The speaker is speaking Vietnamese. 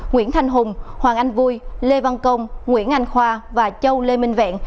nguyễn thanh hùng hoàng anh vui lê văn công nguyễn anh khoa và châu lê minh vẹn